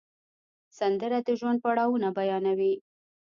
سندره د ژوند پړاوونه بیانوي